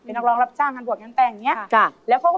นักรองรับจ้าดวกเง้อนแต่ง